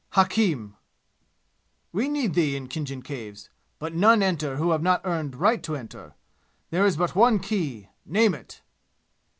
"Hakim." "We need thee in Khinjan Caves! But none enter who have not earned right to enter! There is but one key. Name it!"